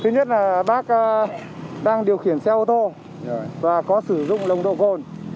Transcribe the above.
thứ nhất là bác đang điều khiển xe ô tô và có sử dụng nồng độ cồn